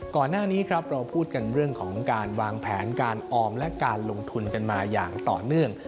ก่อนหน้านี้ครับเราพูดกันเรื่องของการวางแผนการออมและการลงทุนกันมาอย่างต่อเนื่อง